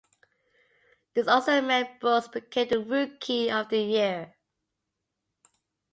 This also meant Brooks became the Rookie of the year.